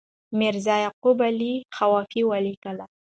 میرزا یعقوب علي خوافي ولیکل.